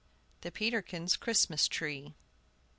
THE PETERKINS' CHRISTMAS TREE.